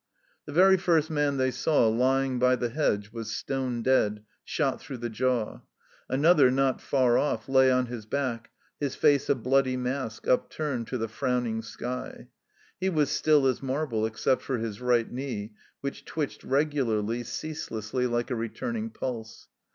The very first man they saw lying by the hedge was stone dead, shot through the jaw. Another not far off lay on his back, his face a bloody mask upturned to the frowning sky ; he was still as marble, except for his right knee, which twitched regularly, ceaselessly, like a returning pulse.